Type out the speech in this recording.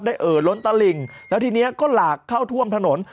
เอ่อล้นตะหลิ่งแล้วทีนี้ก็หลากเข้าท่วมถนน